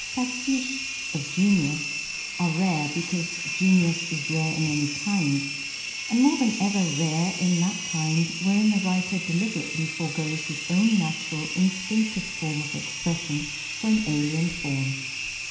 Pastiches " of genius " arc rare because genius is rare in any kind, and more than ever rare in that kind wherein the writer deliberately forgoes his own natural, instinctive form of expression for an alien form.